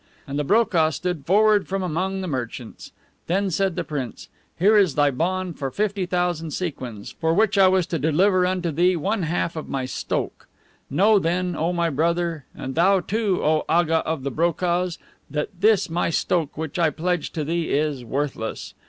And the BROKAH stood forth from among the merchants. Then said the prince: "Here is thy bond for fifty thousand sequins, for which I was to deliver unto thee one half of my STOKH. Know, then, O my brother, and thou, too, O Aga of the BROKAHS, that this my STOKH which I pledged to thee is worthless.